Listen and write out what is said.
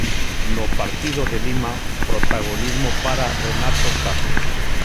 No partido de Lima, protagonismo para Renato Tapia.